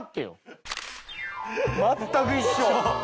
全く一緒。